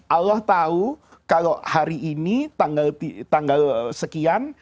allah tahu kalau hari ini tanggal sekian